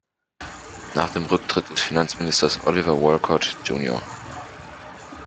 Nach dem Rücktritt des Finanzministers Oliver Wolcott, Jr.